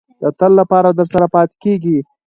د تل لپاره درسره پاتې کېږي.